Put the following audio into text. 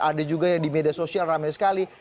ada juga yang di media sosial ramai sekali